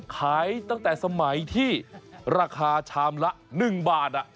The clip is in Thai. ขายตั้งแต่สมัยที่ราคาชามละ๑บาท